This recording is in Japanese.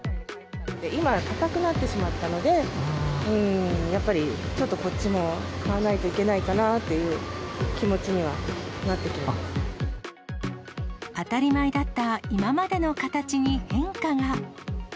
今、高くなってしまったので、やっぱりちょっとこっちも買わないといけないかなっていう気持ち当たり前だった今までの形に変化が。